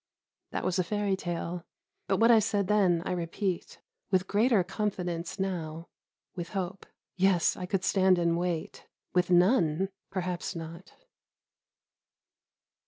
That was a fairy tale; but what I said then, I repeat, with greater confidence, now; with hope, yes, I could stand and wait with none, perhaps not.